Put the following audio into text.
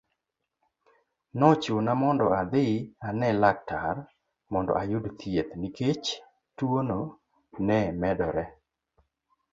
Nochuna mondo adhi ane laktar, mondo ayud thieth nikech tuono ne medore.